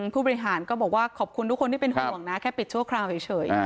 ผู้บริหารก็บอกว่าขอบคุณทุกคนที่เป็นห่วงนะแค่ปิดชั่วคราวเฉย